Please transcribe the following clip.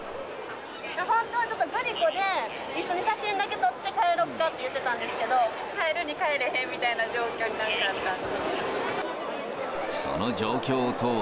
本当はちょっとグリコで一緒に写真だけ撮って帰ろっかって言ってたんですけど、帰るに帰れへんみたいな状況になっちゃったんその状況とは。